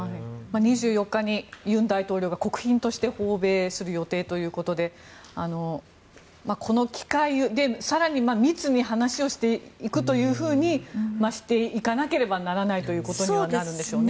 ２４日に尹大統領が国賓として訪米する予定ということでこの機会で更に密に話をしていくというふうにしていかなければならないということになるんでしょうね。